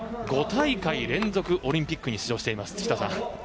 ５大会連続オリンピックに出場しています。